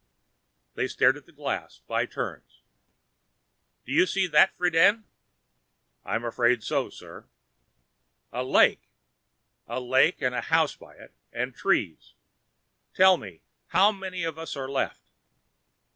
They stared at the glass, by turns. "Do you see that, Friden?" "I'm afraid so, sir." "A lake. A lake and a house by it and trees ... tell me, how many of us are left?"